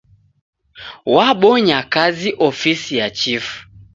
Wabonya kazi ofisi ya chifu.